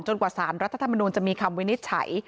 กว่าสารรัฐธรรมนูลจะมีคำวินิจฉัย